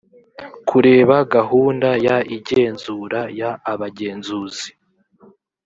kureba gahunda y igenzura y abagenzuzi